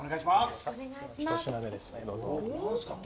ひと品目ですね。